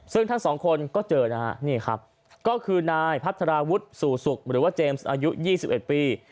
ซึ่งทั้งสองคนก็เจอนะฮะนี่ครับก็คือนายพัฒนาวุฒิสู่สุขหรือว่าเจมส์อายุ๒๑ปี